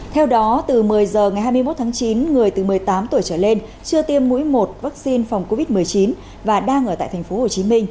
theo đó từ một mươi h ngày hai mươi một tháng chín người từ một mươi tám tuổi trở lên chưa tiêm mũi một vaccine phòng covid một mươi chín và đang ở tại tp hcm